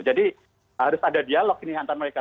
jadi harus ada dialog nilantar mereka